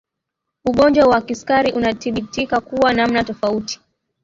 ugonjwa wa kisukari unatibika kwa namna tofauti